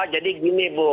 jadi gini bu